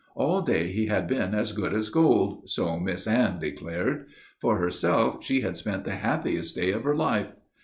All day he had been as good as gold, so Miss Anne declared. For herself, she had spent the happiest day of her life.